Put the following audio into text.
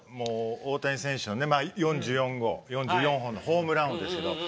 大谷選手４４号のホームラン王ですが。